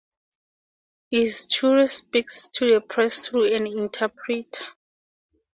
Izturis speaks to the press through an interpreter.